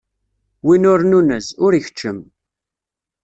Win ur nunez, ur ikeččem.